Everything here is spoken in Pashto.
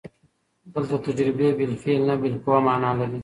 دلته تجربې بالفعل نه، بالقوه مانا لري.